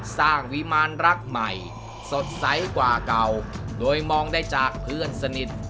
สร้างวิมารรักใหม่สดใสกว่าเก่าโดยมองได้จากเพื่อนสนิท